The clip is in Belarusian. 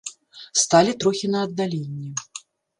Сталі трохі на аддаленні.